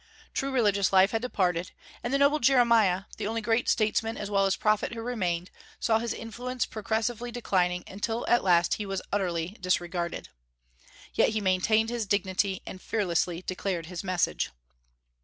True religious life had departed; and the noble Jeremiah, the only great statesman as well as prophet who remained, saw his influence progressively declining, until at last he was utterly disregarded. Yet he maintained his dignity, and fearlessly declared his message.